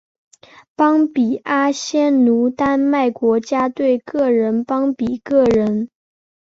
邦比阿仙奴丹麦国家队个人邦比个人